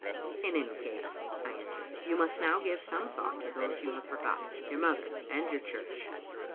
" In any case," I answered, "you must now give some thought to those you have forgotten, your mother and your church.